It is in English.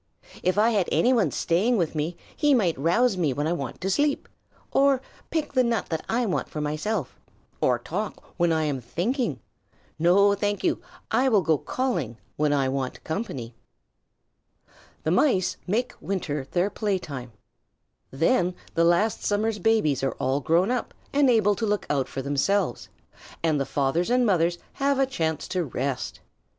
If I had any one staying with me he might rouse me when I want to sleep, or pick the nut that I want for myself, or talk when I am thinking. No, thank you, I will go calling when I want company." [Illustration: THE MICE MAKE WINTER THEIR PLAYTIME. Page 195] The Mice make winter their playtime. Then the last summer's babies are all grown up and able to look out for themselves, and the fathers and mother's have a chance to rest.